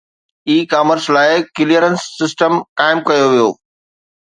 اي commerce لاءِ clearance system قائم ڪيو ويو